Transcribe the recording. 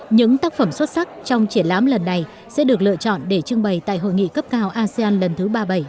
những tác phẩm xuất sắc trong triển lãm lần này sẽ được lựa chọn để trưng bày tại hội nghị cấp cao asean lần thứ ba mươi bảy